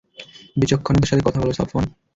বিচক্ষণতার সাথে কথা বল সফওয়ান।